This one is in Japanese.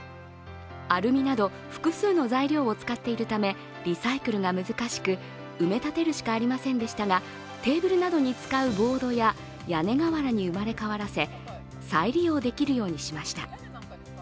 アルミなど複数の材料を使っているため、リサイクルが難しく、埋め立てるしかありませんでしたが、テーブルなどに使うボードや屋根瓦に生まれ変わらせ再利用できるようにしました。